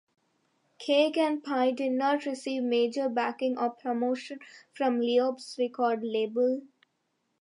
"Cake and Pie" did not receive major backing or promotion from Loeb's record label.